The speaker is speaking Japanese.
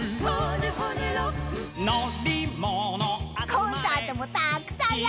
［コンサートもたくさんやったよね］